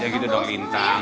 eh jangan gitu dong lintang